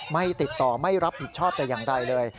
ไม่ติดต่อไม่รับผิดชอบแต่อย่างใดเลย